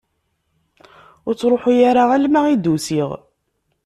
Ur truḥ ara alma i d-usiɣ.